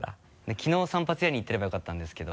きのう散髪屋に行ってればよかったんですけど。